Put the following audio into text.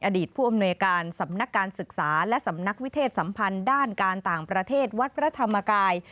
อดีตผู้อำนวยการสำนักการศึกษาและสำนักวิเทศสัมพันธ์ด้านการต่างประเทศวัดพระธรรมกาย